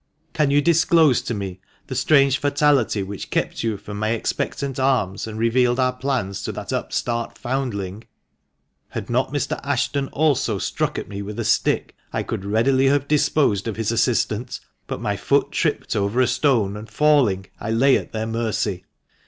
Can you disclose to me the strange fatality which kept you from my expectant arms, and revealed our plans to that upstart foundling? Had not Mr. Ashton also struck at me with a stick, I could readily have disposed of his assistant ; but my foot tripped over a stone, and falling, I lay at their mercy.